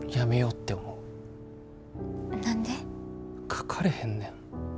書かれへんねん。